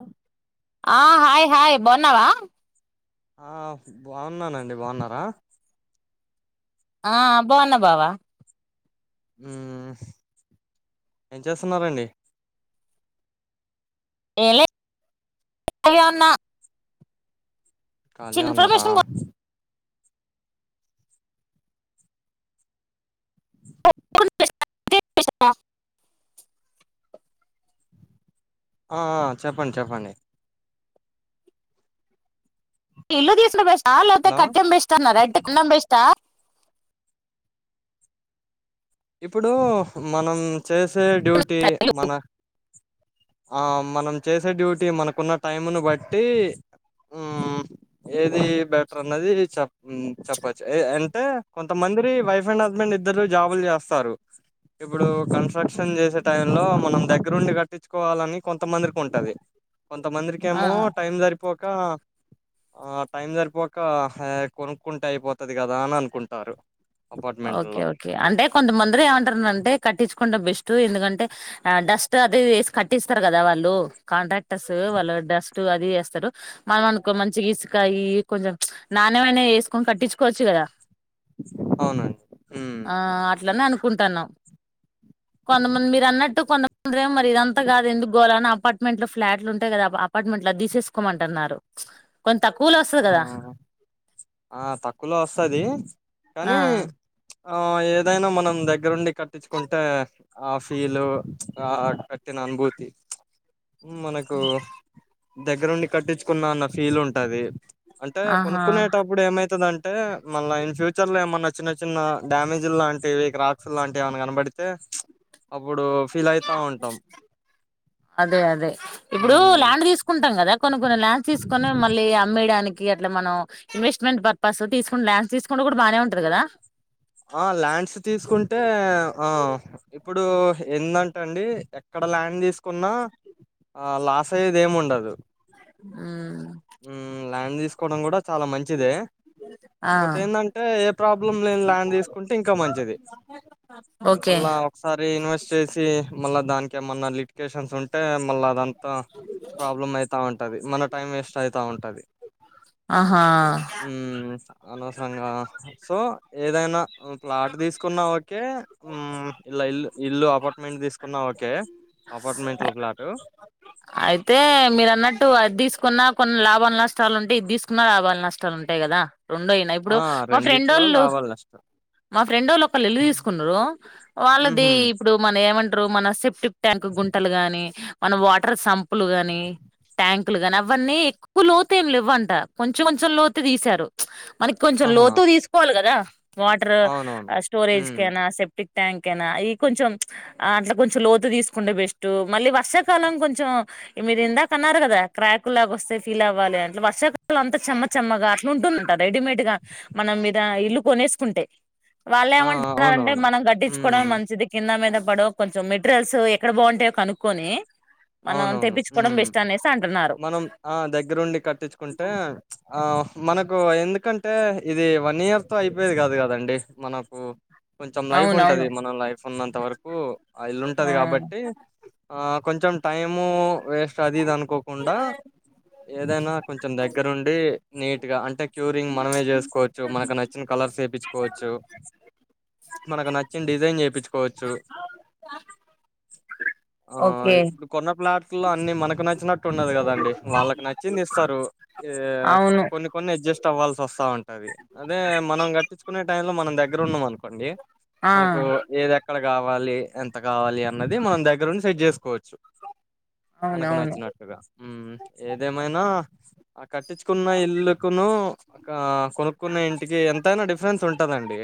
అ ఆ hi hi బోన్నావా ఆ బాగున్నానండి బాగున్నారా ఆబ్ బా అన్న బావా ఏం చేస్తున్నారు అండి ఏవన్నా ఖాళజే ఉన్నారా కొనుక్కుంటే ఆ? అంటే ఆ? ఆ చెప్పండి చెప్పండి ఇల్ తీసు లో బస్ కాల్ అయితే హలో కట్టెం బెస్ట్ అనా రెడ్ కన్నాం బెస్ా ఇప్పుడు మనం చేసే డ్యూటీ మన ఆ మనం చేసే డ్యూటీ మనకున్న టైంను బట్టి ఏది బెటర్ అన్నది చె చెప్పచ్చు అంటే కొంతమంది వైఫ్ అండ్ హస్బెండ్ ఇద్దరులు జాబులు చేస్తారు ఇప్పుడు కన్స్ట్రక్షన్ చేసే టై లో మనం దగ్గరుండి కట్టి తెచ్చుకోవాలని కొంతమందికి ఉంటది కొంతమందికిేమో టైం సరిపో ఇకా ఆ టైం సరిపోక కొనుక్కుంటే అయిపోతుది కదా అని అనుకుంటారు ఓకే అపార్ట్మెంట్లో ఓకే అంటే కొంతమందిర ఏమంటారుంటే కట్టించుకుంంటడా బెస్ట్ ఎందుకంటే ఆ డస్ట్ అది కట్టిస్తారు కదా వాళ్ళు కాంట్రాక్టర్స్ వాళ్ళు డస్ట్ అది వేస్తారు మనం అనకో మంచి ఇసుక కొంచెం నాణ్యమైన వేసుకొని కట్టించుకోవచ్చు కదా అవునండి ఉమ్ ఆ అట్లనే అనుకుంటాన్నాం కొంతమంది మీరు అన్నట్టు కొంత అందరే మరి ఇదంతా కాదు ఎందుకు గోలా అ అపార్ట్మెంట్ లో ఫ్లాట్లు ఉంటాయి కదా అపార్ట్మెంట్ లో తీసేసుకోమంటన్నారు కొ ఆ ఆ తక్కువలో వస్తది ఆ కానీ ఆ ఏదైనా మనం దగ్గరుండి కటిచ్చుకుటే ఆ ఫీలు ఆ కట్టిన అనుభూతి మనకు దగ్గరుండి కట్టించుకున్నా అన్న ఫీల్ ఉంటది అంటే ఆహా కొనుక్కునేటప్పుడు ఏమైతుంద అంటే మళ్ళ ఇన్ ఫ్యూచర్ లో ఏమన్నా చిన్న చిన్న డ్యామేజీ లాంటివి రాక్స్ లాంటివి ఏని కనబడితే అప్పుడు ఫీల్ అయితా ఉంటాం అదే అదే ఇప్పుడు ఉమ్ ల్యాండ్ తీసుకుంటాం కదా కొన్ని కొన్ని ల్యాండ్ తీసుకుొని మళ్ళీ అమ్మేయడానికి అట్లా మనం ఇన్వెస్ట్మెంట్ పర్పస్ తీసుకు ల్యాండ్స్ తీసుకు కూడా బానే ఉంటాది కదా ఆ ల్యాండ్స్ తీసుకుంటే ఆ ఇప్పుడు ఏందంటే అండి ఎక్కడ ల్యాండ్ తీసుకున్నా లాస్ అయ్యేది ఏమి ఉండదు ఉమ్, ఉమ్ ల్యాండ్ తీసుకోవడం కూడా చాలా మంచిదే ఆ ఒకంటి ఏంటంటే ఏ ప్రాబ్లం లేని ల్యాండ్ తీసుకుంటే ఇంకా మంచిది ఓకే మళ్ళా ఒకసారి ఇన్వెస్ట్ చేసి మళ్ళా దానికి ఏమన్నా లిటికేషన్స్ ఉంటే మళ్ళ అదంతా ప్రాబ్లమ్ అవుతామంటే అది మన టైం వే అవుతా ఉంటది ఆహా హ్మ్మ్ అనవసరంగా సో ఏదైనా ప్లాట్ తీసుకున్నా ఓకే ఇల్లా ఇల్ ఇల్లు అపార్ట్మెంట్ తీసుకున్నా ఓకే అపార్ట్మెంట్ లో ఫ్లాట్ అయితే మీరు అన్నట్టు అది తీసుకున్న కొన్ని లాభాలు నష్టాలు ఉంటాయి ఇది తీసుకున్న లాభాలు నష్టాలు ఉంటాయి కదా రెండోయినా ఇప్పుడు ఆ మా ఫ్రెండ్ రెండిట్లో వాళ్ళు లాభాలు నష్టాలు మా ఫ్రెండ్ వాళ్ళు ఒక నిలు తీసుకున్నారు వాళ్ళది ఉహూ ఇప్పుడు మన ఏమంటే మన సెప్టిప్ ట్యాంక్ గుంటలు గాని మన వా టర్ సంపులు గాని ట్యాంకు లు గానీ అవ్వన్నీ ఎక్కువ లోతేమి లెవ్వంట కొంచెం కొంచెం లోతే దీసారు మనకి కొంచెం ఆహా లోతు దీసుకోవాలి కదా వాటర్ అవునవును స్టోరేజ్ హ్మ్ కైనా సెప్టిక్ ట్యాంక్ అయినా ఇ కొంచెం అట్లా కొంచెం లోతు తీసుకుంటే బెస్ట్ మళ్ళీ వర్షాకాలం కొ కొంచెం మీరు ఇందాక అన్నారు గదా క్రాకు లాగా వస్తే ఫీల్ అవ్వాలి అని వర్షాకాలం అంతా చెమ్మ చెమ్మగా అట్లా ఉంటుందంట రెడీమేడ్ గా మనం మీద ఇల్లు కొనేసుకుంటే వాళ్ళు ఆ ఏమంటున్నార అంటే అవునవును మనం గట్టిచ్చుకోవడం హ్మ్ మంచిది కింద మీద పడం కొంచెం మెటీరియల్స్ ఎక్కడ బాగుంటయో కనుక్కొని మనం అవునవును తెప్పించుకోవడం బెస్ట్ అనేసి అంటున్నారు మనం ఆ దగ్గరుండి కట్టించుకుంటే ఆ మనకు ఎందుకంటే ఇది నియర్ త అయిపోయది కాదు కదండి మనకు కొంచెం లైఫ్ ఉంటది అవునవును మనం లైఫ్ ఉన్నంత వరకు ఇల్లు ఉంటది ఆ కాబట్టి ఆ కొంచెం టైము వేస్ట్ అది ఇది అనుకోకుండా ఏదైనా కొంచెం దగ్గరుండి నీట్గా అంటే క్యూరింగ్ మనమే చేసుకోవచ్చు మనకు నచ్చిన కలర్స్ ఏపిచ్చుకోవచ్చు మనకు నచ్చిన డిజైన్ చేయించుకోవచ్చు ఓకే మన ప్లాట్ లో అన్ని మనకు నచ్చినట్టు ఉన్నది కదండి వాళ్ళకి నచ్చింది ఇస్తారు ఏ అవును కొన్ని కొన్ని అడ్జస్ట్ ట్ అవ్వాల్సి వస్తా ఉంటది అదే మనం గట్టించుకునే టై లో మనం దగ్గర ఉన్నాం అనుకోండి ఆ మనకు ఏద ఇక్కడ కావాలి ఎంత కావాలి అన్నది మనం దగ్గర నుండి సెట్ చేసుకోవచ్చు మనకు అవునవును నచ్చినట్టుగా మ్ ఏదేమైనా ఆ కట్టించుకున్న ఇల్లుకును అక్క కొనుక్కున్న ఇంటికి ఎంతైనా డిఫరెన్స్ ఉంటదండి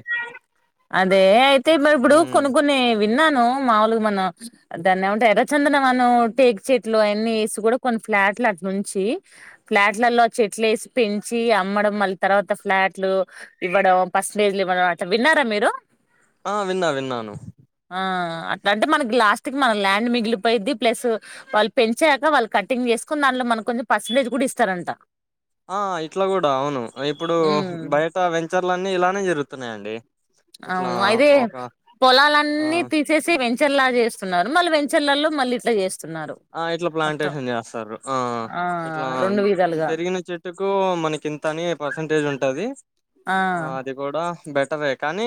అదే అయితే మరి ఇప్పుడు మ్మ్ కొన్ని కొన్ని విన్నాను మాములుగా మన దాన్ని ఏమంటా ఎర్రచందన మనం టేక్ చెట్లు అవన్నీ వేసి కూడా కొన్ని ఫ్లాట్లు అట్లా నుంచి ఫ్లాట్లలో చెట్లు వేసి పెంచి అమ్మడం మళ్ళీ తర్వాత ఫ్లాట్లు ఇవ్వడం పర్సంటేజ్లు ఇవ్వడం అట్ విన్నారా మీరు లో ఆ విన్నా విన్నాను ఆ అట్లా అంటే మనకి లాస్ట్కి మన ల్యాండ్ మిగిలిపోయిద్ది ప్లస్ వాళ్ళు పెంచాక వాళ్ళు కటింగ్ చేసుకోని దాంలో మనకు కొంచెం పర్సంటేజ్ కూడా ఇస్తారంట ఆ ఇట్లా కూడా అవును ఇప్పుడు ఉమ్ బయట వెంచర్లు అన్ని ఇలానే జరుగుతున్నాయండి ఇట్లా అవును అయిదతే ఒక ఆ పొలాలన్నీ తీసేసి వెంచర్లా చేస్తున్నారు మళ్ళీ వెంచర్లలో మళ్ళీ ఇట్లా చేస్త ఆ ఇట్లా ప్లాంటేషన్ చేస్తారు ఆ ఇట్లా రెండు విధాలుగా పెరిగిన చెట్టు మనకి ఇంతని పర్సంటేజ్ ఉంటది ఆ అది కూడా బట్ ంటవే కానీ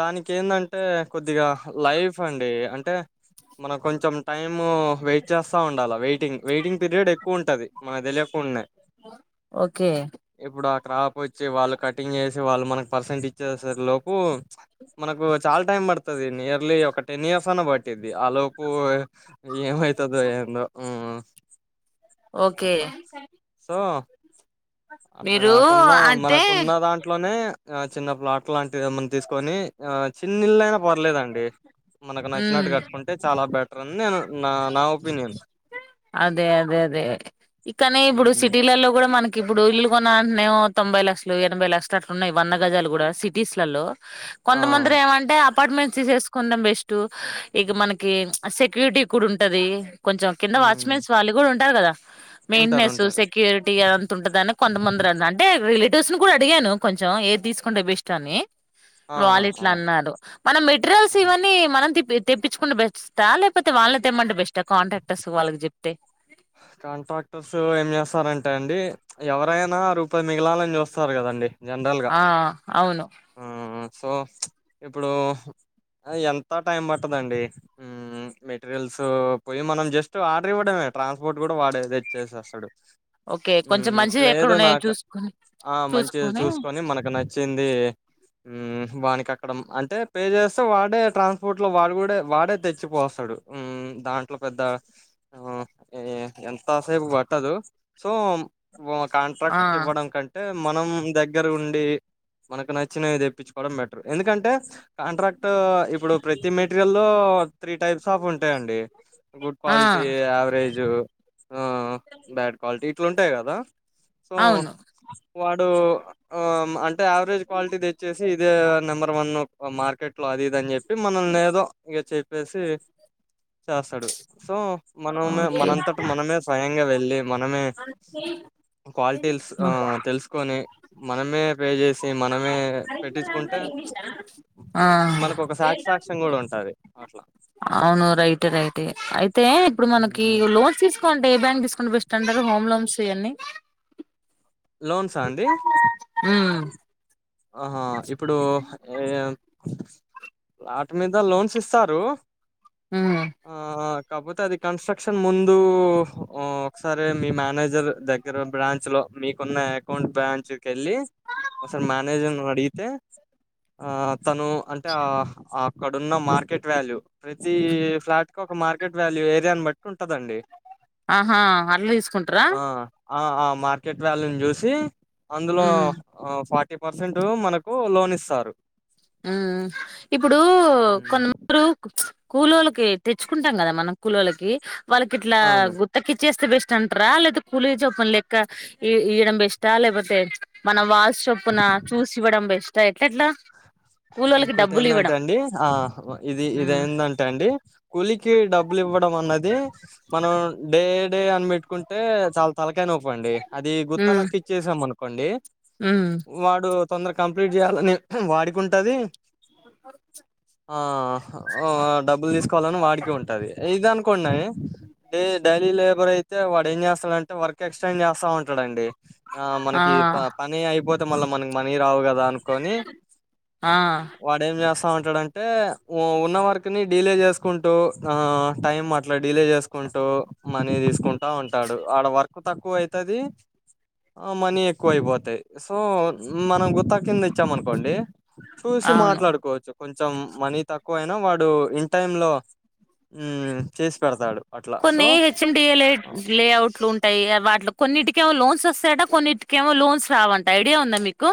దానికి ఏందంటే కొద్దిగా లైఫ్ అండి అ అంటే మన కొంచెం టైము వెయిట్ చేస్తా ఉండాలా వెయిటింగ్ వెయిటింగ్ పీరియడ్ ఎక్కువ ఉంటది మనకు తెలియకుండాన్నాయి ఓకే త్రాప్ వచ్చ వల్ కటింగ్ వాళ్ళు మనకి పర్సెంట్ ఇచ్చేస లోపు మనకు చాలా టైం పడుతుంది నియర్లీ ఒక టెన్ ఇయర్స్ అన బట్టిది ఆలోపు ఏమై ఇ ఏంట ఓకే అట్లా సో అట్లా మీరు కాకున్నా అంటే మనకున్న దాంట్లోనే ఆ చిన్న ప్లాట్ లాంటివి ఏమని తీసుకొని ఆ చిన్నళ్ళయినా పర్లేదండి మనకు ఉమ్ నచ్చినట్టు కట్టుకుంటే చాలా బెటర్ అని నేను నా నా ఒపీనియన్ అదే అదే అదే ఇక్కనే ఇప్పుడు మ్మ్ సిటీలలో కూడా మనకి ఇప్పుడు ఇల్లు కొన అంటనే తొంభై లక్షలు ఎనభై లక్షలు అట్లు ఉన్నాయి వంద గజాలు కూడా సిటీస్లలో ఆ కొంతమందిలు ఏమంటే అపార్ట్మెంట్స్ తీసేసుకుందాం బెస్ట్ టు ఇక మనకి సెక్యూరిటీ క్కడు ఉంటది కొంచెం కింద మ్మ్ వాచ్మెన్స్ వాళ్ళు కూడా ఉంటారు కదా ఉంటారు మెయింటెనెన్స్ ఉంటారు సెక్యూరిటీ అంత ఉంటదని కొంతమంది అంటే ర డోస్ ను కూడా అడిగాను కొంచెం ఏది తీసుకుంటే అభిష్టాన్ని ఆ వాళ్ళు ఆ ఇట్లా అన్నారు మన ఆ మెటీరియల్స్ ఆహా! ఇవన్న మనంి తెప్పించుకుండా బెట్స్తా లేకపోతే అతే వాళ్ళ తెమంటడి బెస్ట్ కాంట్రాక్టర్స్ వాళ్ళకి చెప్తే కాంట్రాక్టర్స్ ఏం చేస్తారంటే అండి ఎవరైనా రూపాయి మిగలాలని చూస్తారు కదండి జనరల్గా ఆ అవును సో ఇప్పుడు ఎంత టైం పట్టదండి మెటీరియల్స్ పోయి మనం జస్ట్ ఆర్డర్ ఇవ్వడంే ట్రాన్స్పోర్ట్ కూడా వాడేదే చేసేస్తాడు ఓకే కొంచెం ఉహు మంచిది ఎక్కడ లేదు ఉన్నాయో నాకు చూసుకొని ఆ మంచిది చూసుకొని మనకు నచ్చింది ఉహు వానికి అక్కడ అంటే పే చేస్తే వాడే ట్రాన్స్పోర్ట్ లో వాడు కూడా వాడే తెచ్చిపోస్తాడు దాంట్లో పెద్ద ఏ ఎంతసేపు పట్టదు సో ఆ కాంట్రాక్ట్ కి ఇవ్వడం కంటే మనం దగ్గర ఉండి మనకు నచ్చినవి తెప్పించుకోవడం బెటర్ ఎందుకంటే కాంట్రాక్ట్ టు ఇప్పుడు ప్రతి మెటీరియల్ లో త్రీ టైప్స్ ఆఫ్ ఉంటాయండి గుడ్ ఆ క్వాలిటీ యావరేజ్ ఆ బ్యాడు కాల్ ఇట్లు ఉంటాయి కదా సో అవును వాడు ఆ అంటే యావరేజ్ క్వాలిటీ తెచ్చేసి ఇదే నెంబర్ వన్ మార్కెట్ అట్లా అది ఇది అని చెప్పి మనల్నీ ఏదో ఇగ చెప్పేసి చేస్తాడు సో మన ఉమే ఓకే మనంతట మనమే స్వయంగా వెళ్ళి మనమే క్వాలిటీలుస్ ఆ తెలుసుకొని మనమే పే చేసి మనమే పెట్టించుకుంటే ఆ మనకు ఒక సాటిస్ఫాక్షన్ కూడా ఉంటది అట్లా అవును రైట్ రైటె అయితే ఇప్పుడు మనకి హ్మ్. లోన్ తీసుకోంటే ఏ బ్యాంక్ తీసుకుంటే బెస్ట్ అంటారు హోమ్ లోన్స్ ఇయన్నీ లోన్సా అండి ఉ ఆహా ఇప్పుడు ఏ ఆట్ మీద లోన్స్ ఇస్తారు ఉమ్ ఆ కాపోతే అది కన్స్ట్రక్షన్ ముందు ఉ ఒకసారి మీ మేనేజర్ దగ్గర బ్రాంచ్ లో మీకున్న అకౌంట్ బ్రాంచ్ కేళ్ళి ఒకసారి మేనే మేనేజర్ ను అడిగితే ఆ తను అంటే ఆ ఆ అక్కడున్న మార్కెట్ వాల్యూ ప్రతి ఫ్లాట్ కు ఒక మార్కెట్ వాల్యూ ఏరియాని బట్టి ఉంటదండి ఆహా అట్ల తీసుకుంటర ఆ ఆ మార్కెట్ వ్యాల్యూని చూసి అందులో ఉమ్ ఫా ఫిఫ్టీ పర్సెంట్ మనకు లోన్ ఇస్తారు ఉ ఇప్పుడు ఉమ్. కొన్నిమరు కూలోలకి తెచ్చుకుంటాం కదా మనం కూలోలకి వాళ్ళకి ఇట్లా అవును గుత్తకిచ్చేస్ బెస్ట్ అంటార లేపోతే కూలి చొప్పులు లెక్క ఇయడం బెస్టా లేకపోతే మన వా చొప్పున చూసి ఇవ్వడం బస్ట్ ఎట్లా ఇంకోటి డబ్బులు ఏందంటే ఇవ్వడం అండి ఆ ఇది మ్మ్ ఇదేందంటే అండి కూలికి డబ్బులు ఇవ్వడం అన్నది మనం డే డే అని పెట్టుకుంటే చాలా తాల అనికోండి అది గుత్త మ్మ్ కి ఇచ్చేసాం అనుకోండి మ్మ్ వాడు తొందర కంప్లీట్ చేయాలని వాడికుటది ఆ డబ్బులు తీసుకోవాలని వాడికి ఉంటది ఇదానికి న్నాయి డైలీ లేబర్ అయితే వాడు ఏం చేస్తాడంటే వర్క్ ఎక్స్టెండ్ చేస్తా ఉంటాడుండి ఆ మనకి పని అయిపోతే ళ్ల్ మన మనీ రావు కదా అను ఆ వాడే స్తా ఉంటాడుంటే ఉన్న వరకుని డీలే చేసుకుంటూ ఆ టైం అట్లా డడిలే చేసుకుంటూ మనీ తీసుకుంటు ఉంటాడు ఆడ వర్క్ క్ తక్కువ అవుతది ఆ మనీ ఎక్కువ అయిపోతాది సో మనం గుర్త కింద ఇచ్చామకు కోండి చూసి అవును మాట్లాడుకోవచ్చు కొంచెం మనీ తక్కువ అైనా వాడు ఇన్ టై లో చేసి పెడతాడు అట్లా సో కొన్ని హెచ్ఎండిఎల్ఏ లేఅవుట్లు ఉంటాయి వాటి కొన్నింటికేమో లోన్స్ వస్తాయట కొన్నింటిక ఏమో లోన్స్ రావంట ఐడియా ఉందా మీకు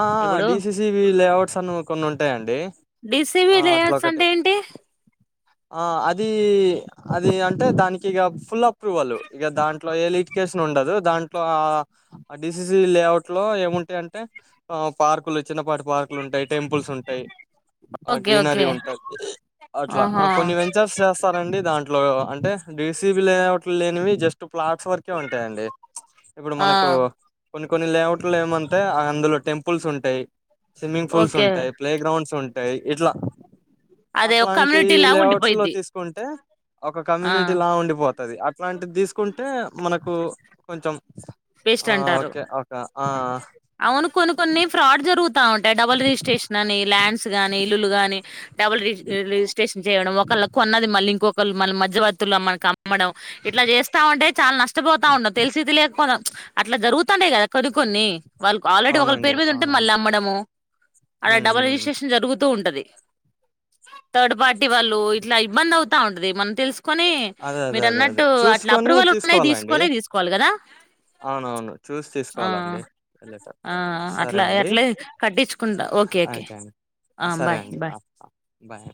ఆ ఇప్పుడు డిసిసి బ లేఅవుట్స్ అన్న కొన్ని ఉంటాయండి డిసీవీ ఆ అట్లా లేయర్స్ ఒకటి అంటే ఏంటి ఆ అది అది అంటే దానికి ఇక ఫుల్ అప్రూవల్ ఇక దాంట్లో ఏ ఇడ్యుకేషన్ ఉండదు దాంట్లో ఆ డిసిసి లేఅవుట్ లో ఏముంటాయ అంటే ఆ పార్కులు చిన్నపాటి పార్కులు ఉంటాయి టెంపుల్స్ ఉంటాయి ఆ ఓకే గ్రీనరీ ఓకే ఉంటది అట్లా ఆహా వెంచర్స్ చేస్తారంండి దాంట్లో అంటే డీసీబి లేట్లు లేనివి జస్ట్ ప్లాట్స్ వరకే ఉంటాయండి ఇప్పుడు ఆ మనకు కొన్ని కొన్ని లేఅట్లు ఏమంటాయి అందులో టెంపుల్స్ ఉంటాయి స్విమింగ్ పూల్స్ ఓకే ఉంటయి ప్లేగ్రౌంస్ ఉంటాయి ఎట్లా అదే ఒక కమ్యూనిటీలా లేఅట్స్ లో తీసుకుంటే ఒక ఆ కమ్యూనిటీ లా ఉండిపోతుంది అట్లాంటి తీసుకుంటే మనకు కు కొంచెం బెస్ట్ ఆ అంటారు. ఓకే ఒక ఆ అవును కొన్ని కొన్ని ఫ్రాడ్ జరుగుతు ఉంటాయి. డబుల్ రిజిస్ట్రేషన్ అని లాండ్స్ గానీ ఇల్లులు గాని డబుల్ రిజిస్ రిజిస్ట్రేషన్ చేయడం. ఒకళ్ళ కొన్నది మళ్ళీ ఇంకొకలు మన మధ్యవర్తులు మనకి అమ్మడం. ఇట్లా చేస్తా ఉంటే చాలా నష్టపోతా ఉంటాం. తెలిసీ తెలియకపోతాం అట్లా జరుగుతండే కదా కొన్ని కొన్ని వాళ్ ఆల్రెడీ ఒకళ అవునండి పేరు మీద ఉంటే అవునవును మళ్ళీ అమ్మడం. అడ ఉమ్ డబుల్ ఉమ్ రిజిస్ట్రేషన్ జరుగుతూ ఉంటది. థర్డ్ పార్టీ వాళ్ళు ఇట్లా ఇబ్బంది అవుతా ఉంటది. మనం తెలుసుకో కొని అదే అదే మీరు అదే అదే అన్నట్టు అట్లా చూసుకొని అప్రూవల్ ఉన్నాయి. తీసుకోవాలండి తీసుకొని తీసుకోవాలి. కదా అవునవును చూసి ఆ తీసుకోవాలండి. ఆ సరే అట్లా అండి. అట్లే కట్టించుకుంటా ఓకే ఓకే థాంక్యూ అండి. ఆ సరే బాయ్ అండి. Bye bye